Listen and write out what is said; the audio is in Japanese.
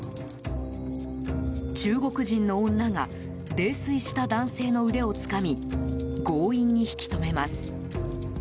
中国人の女が泥酔した男性の腕をつかみ強引に引き止めます。